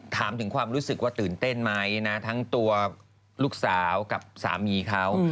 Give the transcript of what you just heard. ถามถึงความรู้สึกว่าตื่นเต้นไหมนะทั้งตัวลูกสาวกับสามีเขา